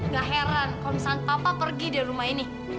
gak heran kalau misalnya papa pergi dari rumah ini